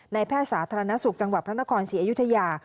แพทย์สาธารณสุขจังหวัดพระนครศรีอยุธยา